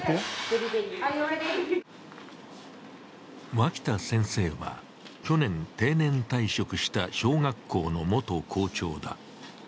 脇田先生は去年、定年退職した小学校の元校長だ。